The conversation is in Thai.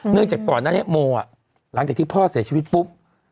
เนื่องจากก่อนนั้นโมหลังจากที่พ่อเสียชีวิตปุ๊บ